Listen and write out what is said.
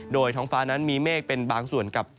โดยท้องฟ้านั้นมีเมฆเป็นบางส่วนกับ